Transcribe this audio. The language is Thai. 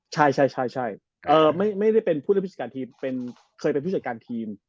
ใช่ไม่ได้เป็นผู้เล่นผู้จัดการทีมเคยเป็นผู้จัดการทีม